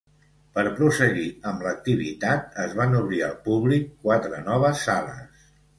Per prosseguir amb l'activitat, es van obrir al públic quatre noves sales.